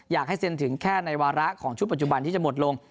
อยากให้เซ็นถึงแค่ในวาระของชุดปัจจุบันที่จะหมดลง